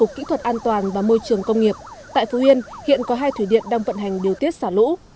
cục kỹ thuật an toàn và môi trường công nghiệp tại phú yên hiện có hai thủy điện đang vận hành điều tiết xả lũ